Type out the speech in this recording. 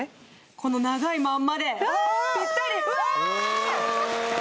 この長いまんまでぴったりうわ！